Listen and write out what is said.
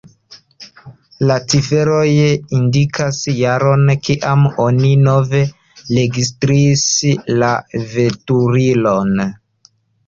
La ciferoj indikas jaron, kiam oni nove registris la veturilon.